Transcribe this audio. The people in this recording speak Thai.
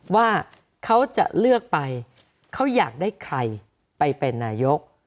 ว่าเขาจะเลือกไปเขาอยากได้ใครไปเป็นนายก